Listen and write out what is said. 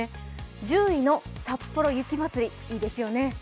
１０位のさっぽろ雪まつり、いいですよね。